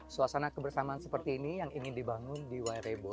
suasana kebersamaan seperti ini yang ingin dibangun di wairebo